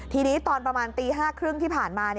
ทีนี้ตอนประมาณตี๕๓๐ที่ผ่านมา